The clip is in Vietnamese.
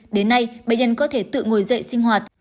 đến nay bệnh nhân có thể tự ngồi dậy sinh hoạt